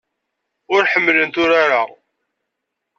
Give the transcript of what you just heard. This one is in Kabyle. Ur ḥemmlent urar-a.